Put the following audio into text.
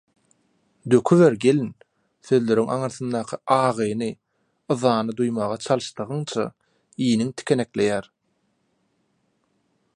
«Döküber gelin...» sözleriň aňyrsyndaky agyny, yzany duýmaga çalyşdygyňça iniň tikenekleýär.